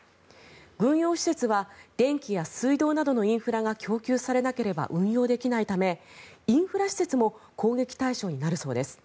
軍用施設は電気や水道などのインフラが供給されなければ運用できないためインフラ施設も攻撃対象になるそうです。